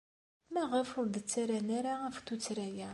Maɣef ur d-ttarran ara ɣef tuttra-a?